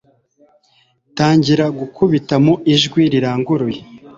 tangira gukubita mu ijwi riranguruye